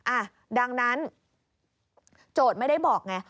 อ่ะดังนั้นโจทย์ไม่ได้บอกไง